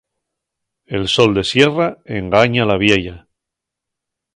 El sol de sierra engaña a la vieya.